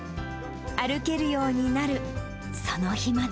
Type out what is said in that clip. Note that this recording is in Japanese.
歩けるようになるその日まで。